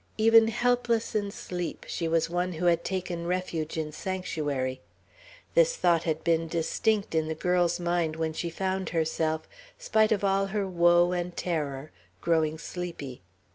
Even helpless in sleep, she was one who had taken refuge in sanctuary. This thought had been distinct in the girl's mind when she found herself, spite of all her woe and terror, growing sleepy.